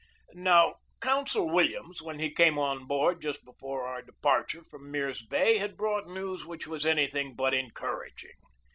Now, Consul Williams, when he came on board just before our departure from Mirs Bay, had brought news which was anything but encouraging.